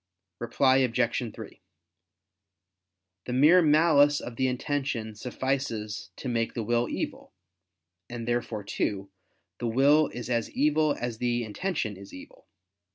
Reply Obj. 3: The mere malice of the intention suffices to make the will evil: and therefore too, the will is as evil as the intention is evil.